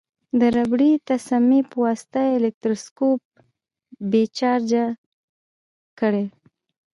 د ربړي تسمې په واسطه الکتروسکوپ بې چارجه کړئ.